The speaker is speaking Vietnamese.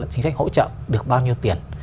chính sách hỗ trợ được bao nhiêu tiền